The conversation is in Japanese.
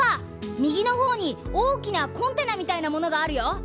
みぎのほうにおおきなコンテナみたいなものがあるよ。